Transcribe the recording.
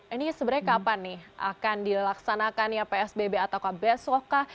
ini sebenarnya kapan nih akan dilaksanakan ya psbb atau besok kah